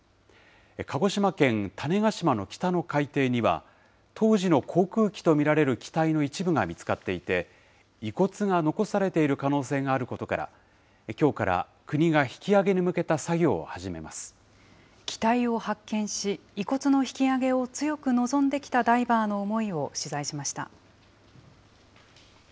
鹿児島県種子島の北の海底には、当時の航空機と見られる機体の一部が見つかっていて、遺骨が残されている可能性があることから、きょうから国が引き揚げに向けた機体を発見し、遺骨の引き揚げを強く望んできたダイバーの思いを取材しました。